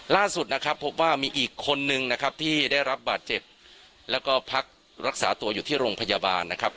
ล่าสุดนะครับพบว่ามีอีกคนนึงนะครับที่ได้รับบาดเจ็บแล้วก็พักรักษาตัวอยู่ที่โรงพยาบาลนะครับ